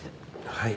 はい。